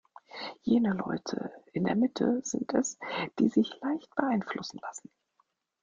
Jene Leute in der Mitte sind es, die sich leicht beeinflussen lassen.